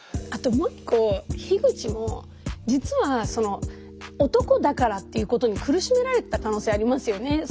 あともう１個樋口も実はその男だからっていうことに苦しめられてた可能性ありますよね。